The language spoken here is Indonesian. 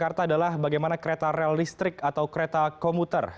jakarta adalah bagaimana kereta rel listrik atau kereta komuter